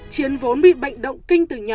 chiến vốn bị bệnh động kinh từ nhỏ